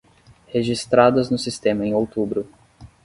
registradas no sistema em outubro.